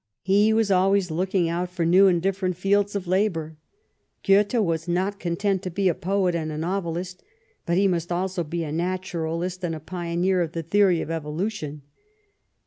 He was always looking out for new and different fields of labor. Goethe was not content to be a poet and a novelist, but he must also be a naturalist and a pioneer of the theory of evolution.